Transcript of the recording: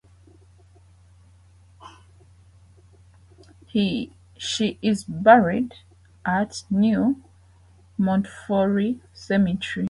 She is buried at New Montefiore Cemetery.